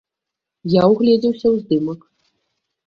Я ўгледзеўся ў здымак.